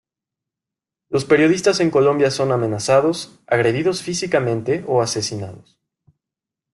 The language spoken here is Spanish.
Los periodistas en Colombia son amenazados, agredidos físicamente o asesinados.